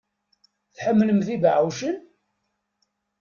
Tḥemmlemt ibeɛɛucen?